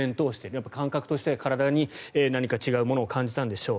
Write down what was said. やっぱり感覚として体に何か違うものを感じたんでしょう。